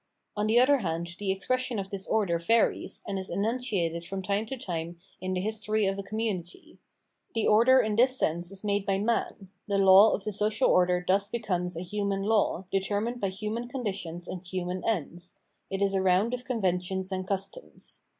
On the other hand the expression of this order varies, and is enunciated from time to time in the history of a community. The order in this sense is made by man ; the law of the social order thus becomes a human law, determined by human conditions and human ends ; it is a round of conventions and customs.